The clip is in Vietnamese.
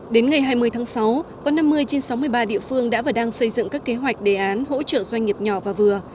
đến ngày hai mươi tháng sáu có năm mươi trên sáu mươi ba địa phương đã và đang xây dựng các kế hoạch đề án hỗ trợ doanh nghiệp nhỏ và vừa